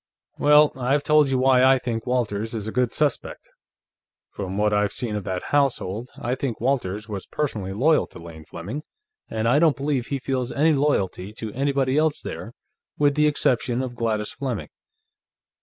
Well, I've told you why I think Walters is a good suspect. From what I've seen of that household, I think Walters was personally loyal to Lane Fleming, and I don't believe he feels any loyalty to anybody else there, with the exception of Gladys Fleming.